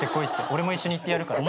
俺も一緒に行ってやるから。